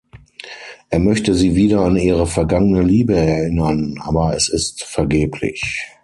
Er möchte sie wieder an ihre vergangene Liebe erinnern, aber es ist vergeblich.